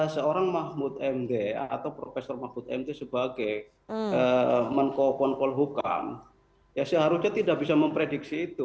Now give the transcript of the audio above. seorang mahfud md atau profesor mahfud md sebagai menko pon polhukam ya seharusnya tidak bisa memprediksi itu